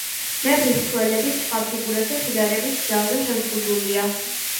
მეფის სვლები, სხვა ფიგურებთან შედარებით, ძალზე შეზღუდულია.